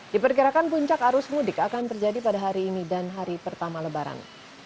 diperkirakan puncak arus mudik akan terjadi pada hari ini dan hari pertama lebaran